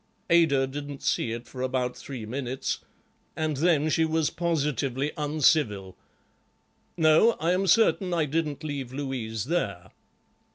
Ada didn't see it for about three minutes, and then she was positively uncivil. No, I am certain I didn't leave Louise there."